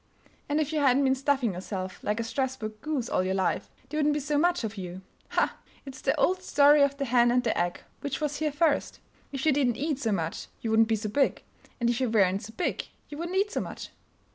"And if you hadn't been stuffing yourself like a Strasburg goose all your life, there wouldn't be so much of you. Ha! it's the old story of the hen and the egg which was here first? If you didn't eat so much you wouldn't be so big, and if you weren't so big you wouldn't eat so much."